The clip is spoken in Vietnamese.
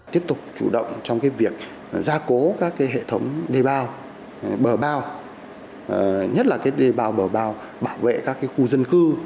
tiếp tục chủ động trong việc gia cố các hệ thống đề bao bờ bao nhất là đề bao bờ bao bảo vệ các khu dân cư